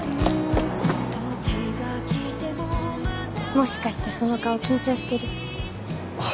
もしかしてその顔緊張してる？